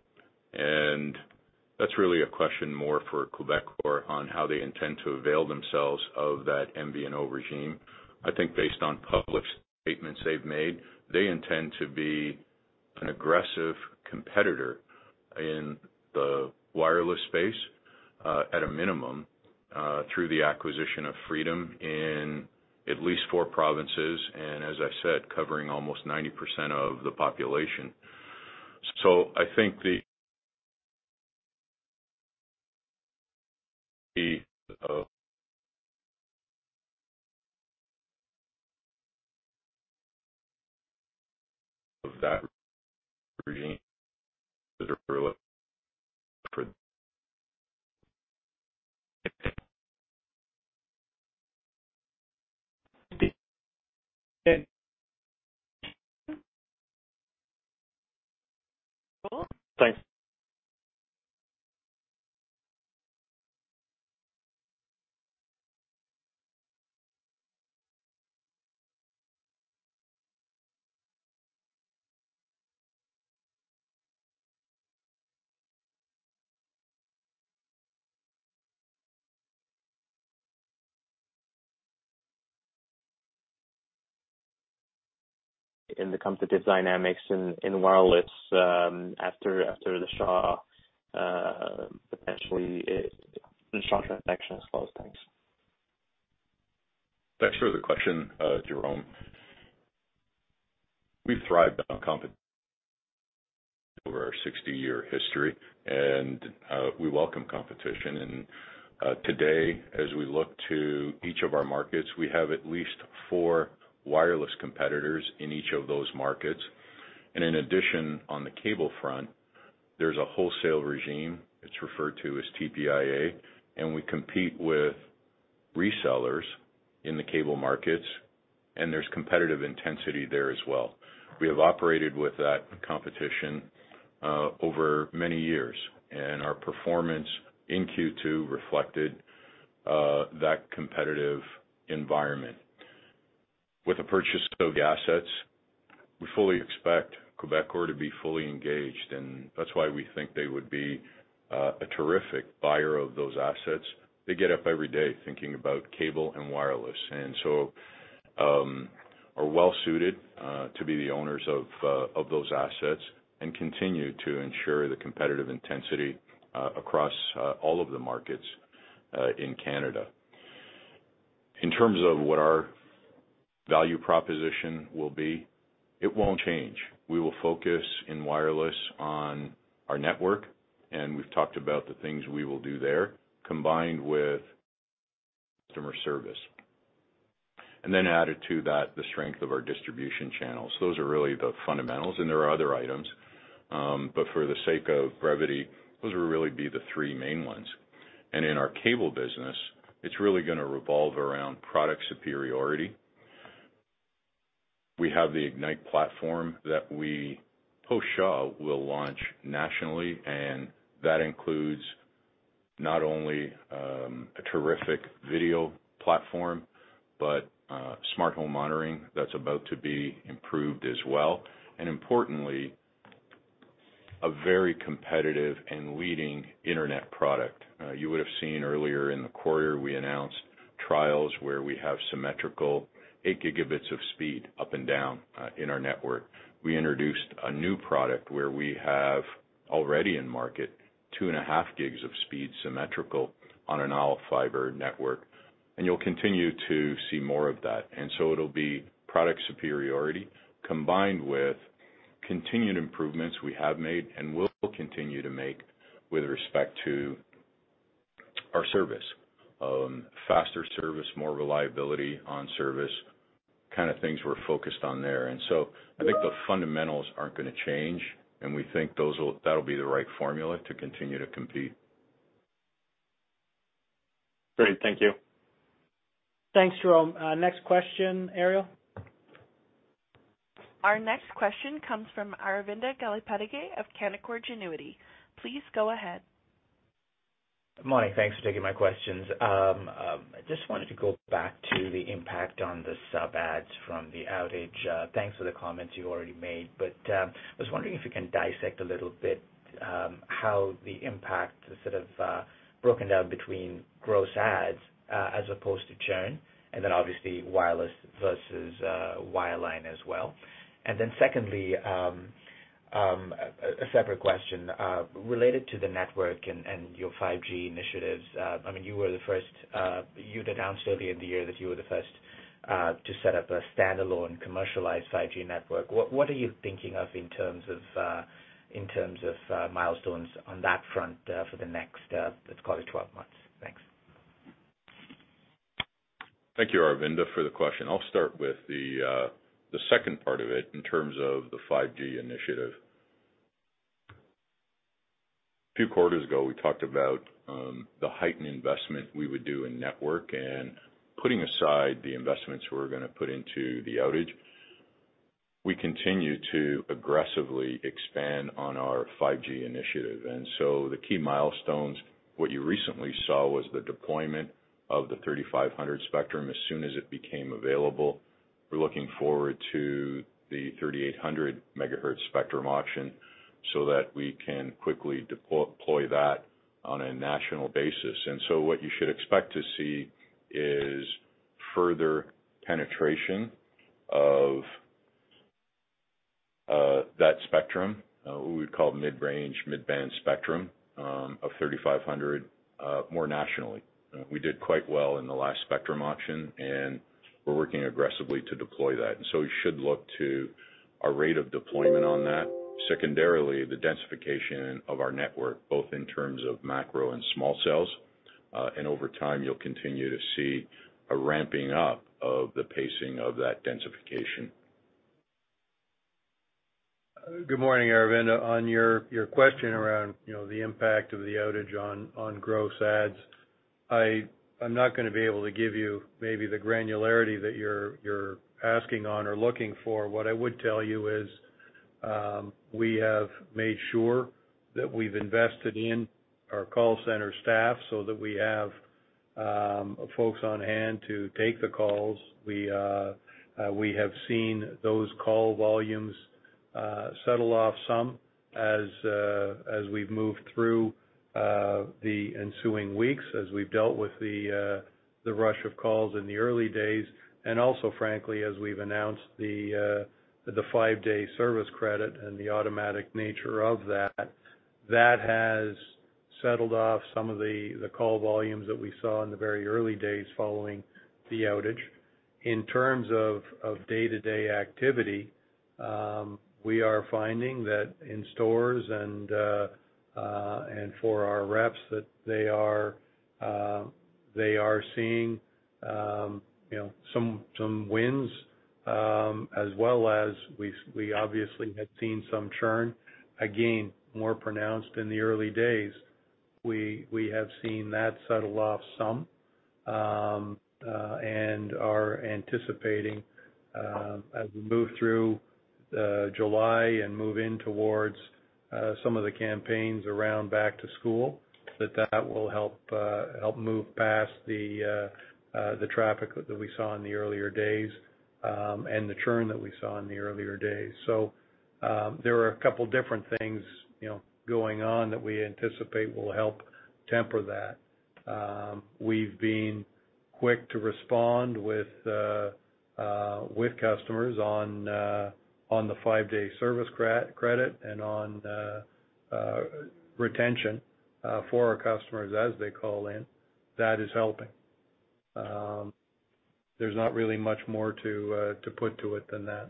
That's really a question more for Quebecor on how they intend to avail themselves of that MVNO regime. I think based on public statements they've made, they intend to be an aggressive competitor in the wireless space, at a minimum, through the acquisition of Freedom in at least four provinces, and as I said, covering almost 90% of the population. I think the use of that regime. In the competitive dynamics in wireless, after the Shaw, potentially the Shaw transaction is closed. Thanks. Thanks for the question, Jérôme. We've thrived on competition over our 60-year history, and we welcome competition. Today, as we look to each of our markets, we have at least four wireless competitors in each of those markets. In addition, on the cable front, there's a wholesale regime. It's referred to as TPIA, and we compete with resellers in the cable markets, and there's competitive intensity there as well. We have operated with that competition over many years, and our performance in Q2 reflected that competitive environment. With the purchase of the assets, we fully expect Quebecor to be fully engaged, and that's why we think they would be a terrific buyer of those assets. They get up every day thinking about cable and wireless. We are well suited to be the owners of those assets and continue to ensure the competitive intensity across all of the markets in Canada. In terms of what our value proposition will be, it won't change. We will focus in wireless on our network, and we've talked about the things we will do there, combined with customer service. Added to that, the strength of our distribution channels. Those are really the fundamentals, and there are other items. For the sake of brevity, those will really be the three main ones. In our cable business, it's really gonna revolve around product superiority. We have the Ignite platform that we, post-Shaw, will launch nationally, and that includes not only a terrific video platform, but smart home monitoring that's about to be improved as well. Importantly, a very competitive and leading internet product. You would have seen earlier in the quarter, we announced trials where we have symmetrical 8 GB of speed up and down in our network. We introduced a new product where we have already in market 2.5 GB of speed symmetrical on an all-fiber network. You'll continue to see more of that. It'll be product superiority combined with continued improvements we have made and will continue to make with respect to our service. Faster service, more reliability on service, kind of things we're focused on there. I think the fundamentals aren't gonna change, and we think that'll be the right formula to continue to compete. Great. Thank you. Thanks, Jérôme. Next question, Ariel? Our next question comes from Aravinda Galappatthige of Canaccord Genuity. Please go ahead. Morning. Thanks for taking my questions. I just wanted to go back to the impact on the sub adds from the outage. Thanks for the comments you already made, but I was wondering if you can dissect a little bit, how the impact is sort of broken down between gross adds, as opposed to churn, and then obviously wireless versus wireline as well. Second, a separate question related to the network and your 5G initiatives. I mean, you were the first, you'd announced earlier in the year that you were the first to set up a standalone commercialized 5G network. What are you thinking of in terms of milestones on that front for the next, let's call it twelve months? Thanks. Thank you, Aravinda, for the question. I'll start with the second part of it in terms of the 5G initiative. A few quarters ago, we talked about the heightened investment we would do in network. Putting aside the investments we're gonna put into the outage, we continue to aggressively expand on our 5G initiative. The key milestones, what you recently saw was the deployment of the 3500 spectrum as soon as it became available. We're looking forward to the 3800 megahertz spectrum auction so that we can quickly deploy that on a national basis. What you should expect to see is further penetration of that spectrum, what we would call mid-range, mid-band spectrum of 3500 more nationally. We did quite well in the last spectrum auction, and we're working aggressively to deploy that. You should look to our rate of deployment on that. Secondarily, the densification of our network, both in terms of macro and small cells. Over time, you'll continue to see a ramping up of the pacing of that densification. Good morning, Aravinda. On your question around, you know, the impact of the outage on gross adds, I'm not gonna be able to give you maybe the granularity that you're asking on or looking for. What I would tell you is, we have made sure that we've invested in our call center staff so that we have folks on hand to take the calls. We have seen those call volumes settle off some as we've moved through the ensuing weeks, as we've dealt with the rush of calls in the early days, and also frankly, as we've announced the five-day service credit and the automatic nature of that. That has settled off some of the call volumes that we saw in the very early days following the outage. In terms of day-to-day activity, we are finding that in stores and for our reps, that they are seeing, you know, some wins, as well as we obviously had seen some churn, again, more pronounced in the early days. We have seen that settle off some and are anticipating, as we move through July and move in towards some of the campaigns around back to school, that will help move past the traffic that we saw in the earlier days and the churn that we saw in the earlier days. There were a couple different things, you know, going on that we anticipate will help temper that. We've been quick to respond with customers on the five-day service credit and on retention for our customers as they call in. That is helping. There's not really much more to put to it than that.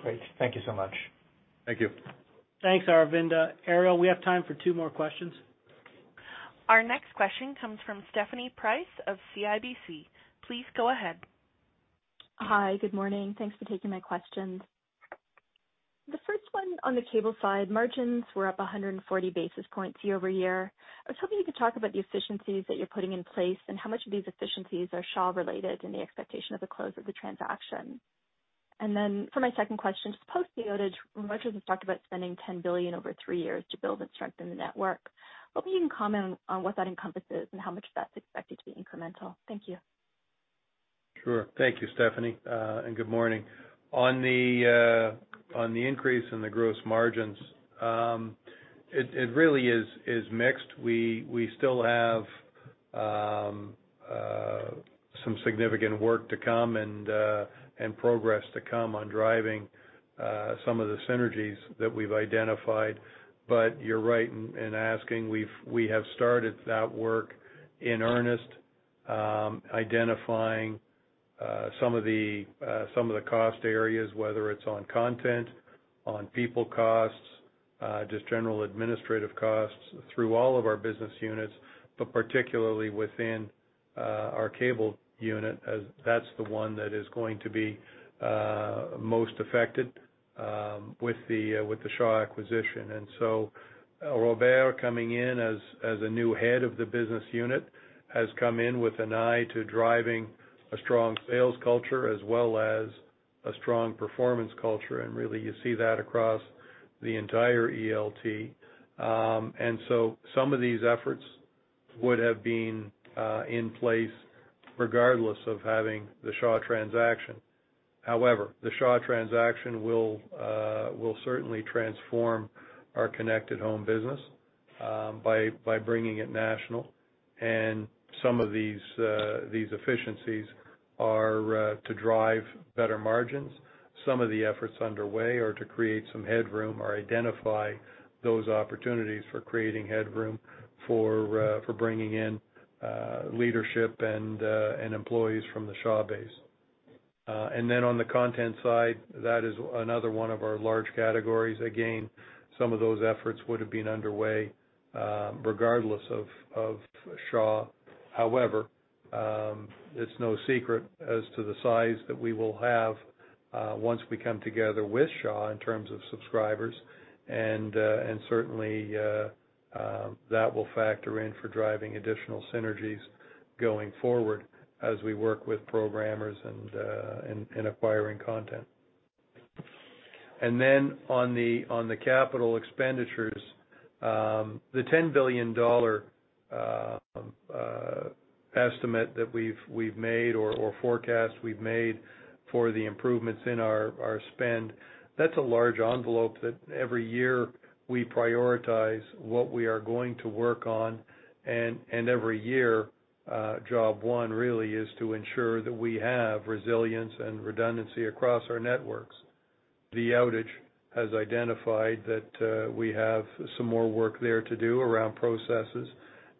Great. Thank you so much. Thank you. Thanks, Aravinda. Ariel, we have time for two more questions. Our next question comes from Stephanie Price of CIBC. Please go ahead. Hi. Good morning. Thanks for taking my questions. The first one, on the cable side, margins were up 140 basis points year-over-year. I was hoping you could talk about the efficiencies that you're putting in place and how much of these efficiencies are Shaw related and the expectation of the close of the transaction. For my second question, just post the outage, Rogers has talked about spending 10 billion over three years to build and strengthen the network. Hopefully, you can comment on what that encompasses and how much of that's expected to be incremental. Thank you. Sure. Thank you, Stephanie. Good morning. On the increase in the gross margins, it really is mixed. We still have some significant work to come and progress to come on driving some of the synergies that we've identified. You're right in asking. We have started that work in earnest, identifying some of the cost areas, whether it's on content, on people costs, just general administrative costs through all of our business units, but particularly within our cable unit, as that's the one that is going to be most affected with the Shaw acquisition. Robert coming in as a new head of the business unit has come in with an eye to driving a strong sales culture as well as a strong performance culture. Really, you see that across the entire ELT. Some of these efforts would have been in place regardless of having the Shaw transaction. However, the Shaw transaction will certainly transform our connected home business by bringing it national. Some of these efficiencies are to drive better margins. Some of the efforts underway are to create some headroom or identify those opportunities for creating headroom for bringing in leadership and employees from the Shaw base. On the content side, that is another one of our large categories. Again, some of those efforts would have been underway regardless of Shaw. However, it's no secret as to the size that we will have once we come together with Shaw in terms of subscribers. Certainly, that will factor in for driving additional synergies going forward as we work with programmers and acquiring content. Then on the capital expenditures, the CAD 10 billion estimate that we've made or forecast we've made for the improvements in our spend, that's a large envelope that every year we prioritize what we are going to work on. Every year, job one really is to ensure that we have resilience and redundancy across our networks. The outage has identified that we have some more work there to do around processes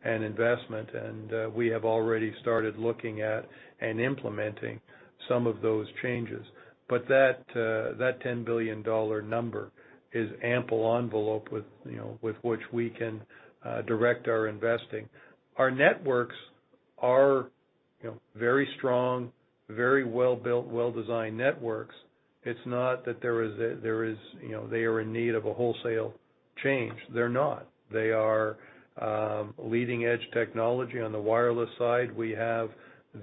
and investment, and we have already started looking at and implementing some of those changes. That 10 billion dollar number is ample envelope with, you know, with which we can direct our investing. Our networks are, you know, very strong, very well-built, well-designed networks. It's not that there is, you know, they are in need of a wholesale change. They're not. They are leading-edge technology. On the wireless side, we have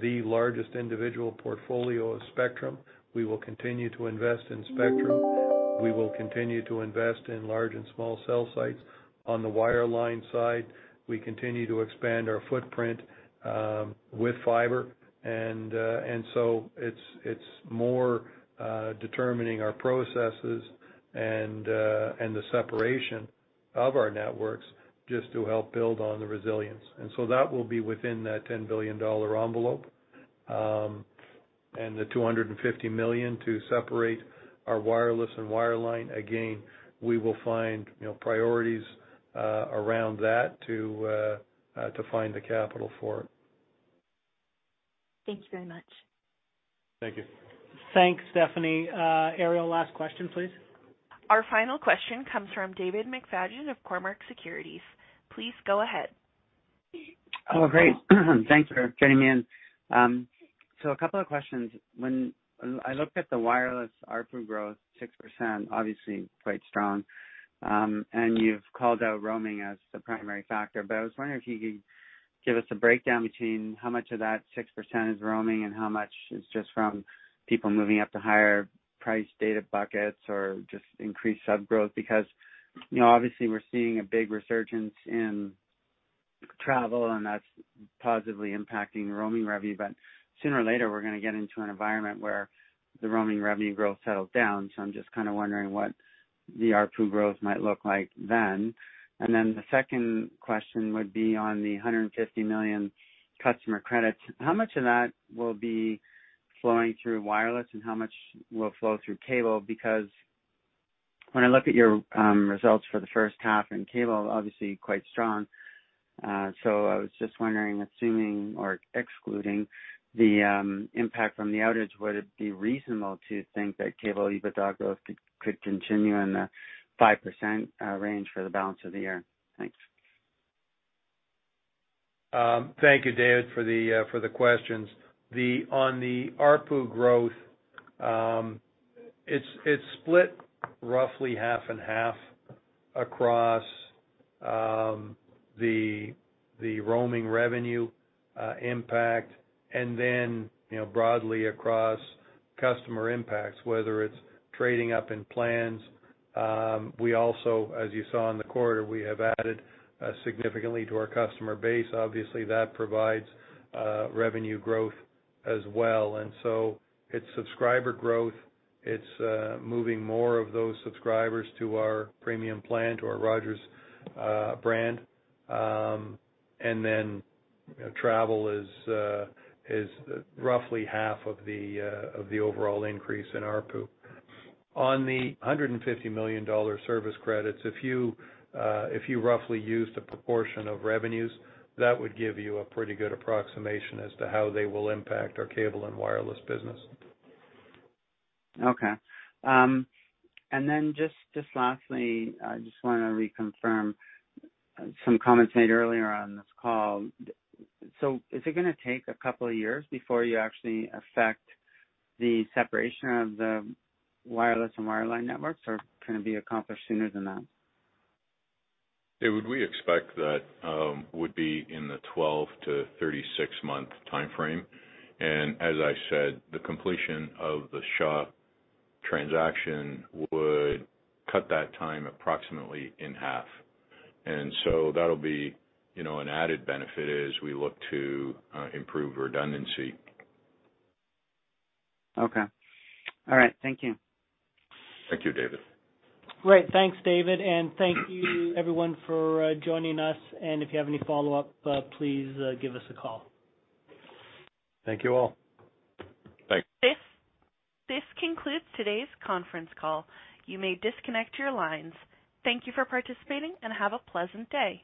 the largest individual portfolio of spectrum. We will continue to invest in spectrum. We will continue to invest in large and small cell sites. On the wireline side, we continue to expand our footprint with fiber. It's more determining our processes and the separation of our networks just to help build on the resilience. That will be within that 10 billion dollar envelope. The 250 million to separate our wireless and wireline. Again, we will find, you know, priorities around that to find the capital for it. Thank you very much. Thank you. Thanks, Stephanie. Ariel, last question, please. Our final question comes from David McFadgen of Cormark Securities. Please go ahead. Oh, great. Thanks for joining me in. A couple of questions. I looked at the wireless ARPU growth, 6% obviously quite strong. You've called out roaming as the primary factor. I was wondering if you could give us a breakdown between how much of that 6% is roaming and how much is just from people moving up to higher-priced data buckets or just increased sub growth. Because, you know, obviously we're seeing a big resurgence in travel, and that's positively impacting roaming revenue. Sooner or later, we're gonna get into an environment where the roaming revenue growth settles down. I'm just kinda wondering what the ARPU growth might look like then. The second question would be on the 150 million customer credits. How much of that will be flowing through wireless and how much will flow through cable? Because when I look at your results for the first half, and cable obviously quite strong. I was just wondering, assuming or excluding the impact from the outage, would it be reasonable to think that cable EBITDA growth could continue in the 5% range for the balance of the year? Thanks. Thank you, David, for the questions. On the ARPU growth, it's split roughly half and half across the roaming revenue impact and then, you know, broadly across customer impacts, whether it's trading up in plans. We also, as you saw in the quarter, have added significantly to our customer base. Obviously, that provides revenue growth as well. It's subscriber growth. It's moving more of those subscribers to our premium plan, to our Rogers brand. Travel is roughly half of the overall increase in ARPU. On the 150 million dollar service credits, if you roughly use the proportion of revenues, that would give you a pretty good approximation as to how they will impact our cable and wireless business. Okay. Just lastly, I just wanna reconfirm some comments made earlier on this call. Is it gonna take a couple of years before you actually effect the separation of the wireless and wireline networks, or can it be accomplished sooner than that? David, we expect that would be in the 12-36 month timeframe. As I said, the completion of the Shaw transaction would cut that time approximately in half. That'll be, you know, an added benefit as we look to improve redundancy. Okay. All right. Thank you. Thank you, David. Great. Thanks, David. Thank you everyone for joining us. If you have any follow-up, please, give us a call. Thank you all. Thanks. This concludes today's conference call. You may disconnect your lines. Thank you for participating and have a pleasant day.